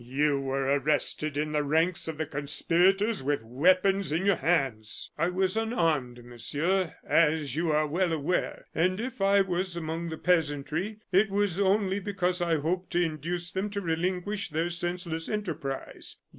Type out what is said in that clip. "You were arrested in the ranks of the conspirators with weapons in your hands!" "I was unarmed, Monsieur, as you are well aware; and if I was among the peasantry, it was only because I hoped to induce them to relinquish their senseless enterprise."